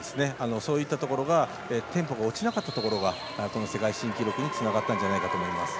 そういったところがテンポが落ちなかったところが世界新記録につながったんじゃないかと思います。